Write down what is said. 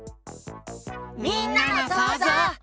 みんなのそうぞう。